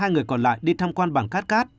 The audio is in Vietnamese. một mươi hai người còn lại đi tham quan bản khát khát